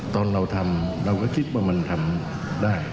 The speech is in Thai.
ตอนเราทำเราก็คิดว่ามันทำได้